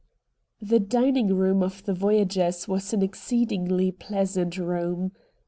The dining room of the Voyagers was an exceedingly pleasant room.